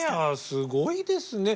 すごいですね。